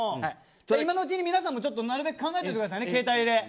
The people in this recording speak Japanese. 今のうちに皆さんも考えてくださいね携帯で。